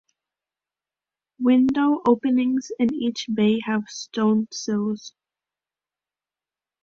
Window openings in each bay have stone sills.